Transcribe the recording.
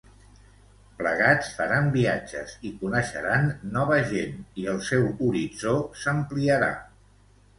Plegats, faran viatges i coneixeran nova gent, i el seu horitzó s'ampliarà!